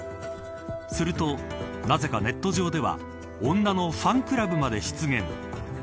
すると、なぜかネット上では女のファンクラブまで出現。